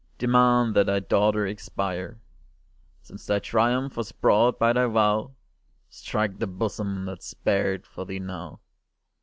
Demand that thy Daughter expire; Since thy triumph was brought by thy vow Strike the bosom that's bared for thee now!